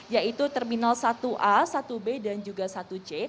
yaitu terminal satu a satu b dan juga satu c